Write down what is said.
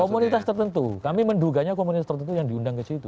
komunitas tertentu kami menduganya komunitas tertentu yang diundang ke situ